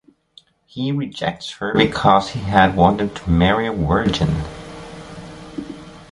He rejects her because he had wanted to marry a virgin.